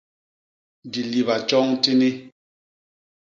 Diliba tjoñ tini.